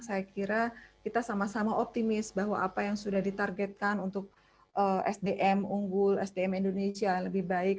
saya kira kita sama sama optimis bahwa apa yang sudah ditargetkan untuk sdm unggul sdm indonesia lebih baik